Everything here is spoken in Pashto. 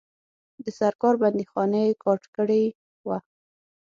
د سرکار بندیخانې یې کاټ کړي وه.